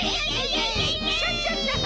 クシャシャシャ！